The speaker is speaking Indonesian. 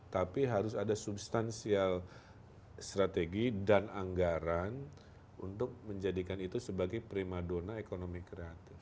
tapi harus ada substansial strategi dan anggaran untuk menjadikan itu sebagai prima dona ekonomi kreatif